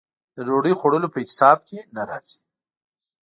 د ډوډۍ خوړلو په اعتصاب کې نه راځي.